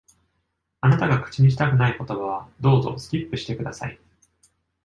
あなたが口にしたくない言葉は、どうぞ、スキップして下さい。